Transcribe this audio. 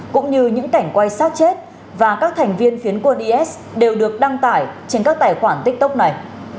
cũng như những cảnh quay sát chết và các thành viên phiến quân is đều được đăng tải trên các tài khoản tiktok này